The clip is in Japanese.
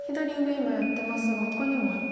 今やってますがほかにもありますか。